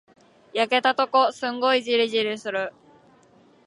焼けたとこ、すんごいじりじりする。